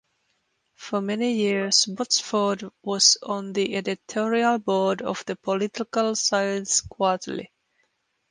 For many years Botsford was on the editorial board of the "Political Science Quarterly".